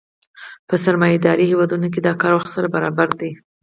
په سرمایه داري هېوادونو کې د کار وخت سره برابر دی